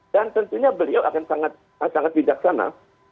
dan tentunya beliau akan sangat bijaksana